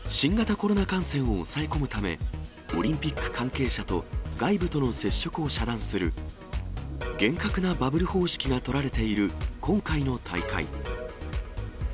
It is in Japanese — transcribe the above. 新型コロナ感染を抑え込むため、オリンピック関係者と外部との接触を遮断する厳格なバブル方式が取られている今回の大会。